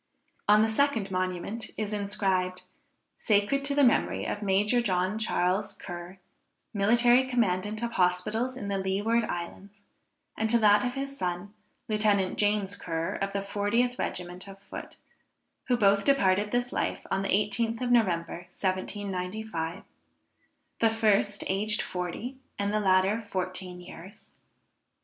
On the second monument is inscribed, Sacred to the memory of Major John Charles Ker, Military Commandant of Hospitals in the Leeward Islands, and to that of his son, Lieutenant James Ker, of the 40th regiment of foot, who both departed this life on the 18th of November 1795, the first aged 40 and the latter 14 years.